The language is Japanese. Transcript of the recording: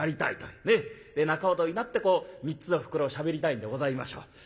仲人になってこう３つの袋をしゃべりたいんでございましょう。